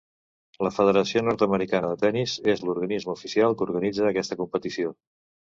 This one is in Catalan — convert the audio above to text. La Federació nord-americana de Tennis és l'organisme oficial que organitza aquesta competició.